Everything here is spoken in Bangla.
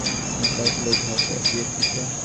একজন খালাসিও লোকজনদের হাঁটাইয়া দিতেছিল।